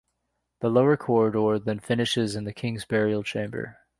The lower corridor then finishes in the king's burial chamber.